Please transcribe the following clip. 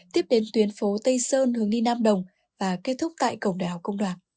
tiếp đến tuyến phố tây sơn hướng đi nam đồng và kết thúc tại cổng đảo công đoàn